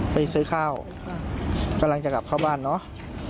ไปซื้อข้าวกำลังจะกลับเข้าบ้านเนาะ